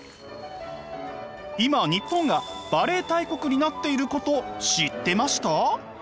今日本がバレエ大国になっていること知ってました？